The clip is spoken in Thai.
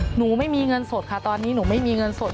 หนูไม่มีเงินสดค่ะตอนนี้หนูไม่มีเงินสด